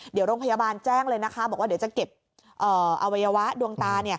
เดี๋ยวโรงพยาบาลแจ้งเลยนะคะบอกว่าเดี๋ยวจะเก็บอวัยวะดวงตา